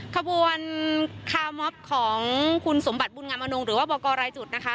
ขบวนคาร์มอบของคุณสมบัติบุญงามอนงหรือว่าบอกกรรายจุดนะคะ